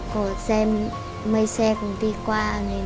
có xem mấy xe cùng đi qua